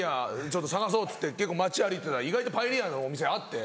ちょっと探そうって街歩いてたら意外とパエリアのお店あって。